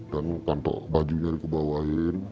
dan kantong bajunya dikebawain